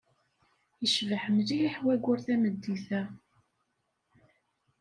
Yecbeḥ mliḥ wayyur tameddit-a.